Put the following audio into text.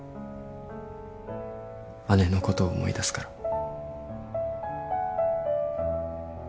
姉のことを思い出すから。